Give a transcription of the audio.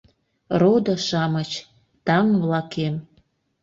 Родо-шамыч, таҥ-влакем